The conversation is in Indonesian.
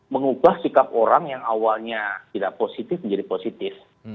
mengubah sikap orang yang awalnya tidak positif menjadi positif